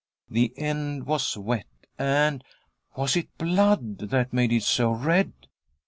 The end was wet, and was it blood that made it so red?